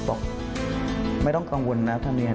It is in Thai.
บอกไม่ต้องกังวลนะทะเบียน